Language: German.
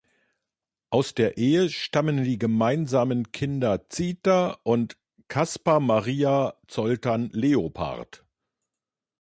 Aus der Ehe stammen die gemeinsamen Kinder Zita und "Caspar-Maria Zoltan Leopard".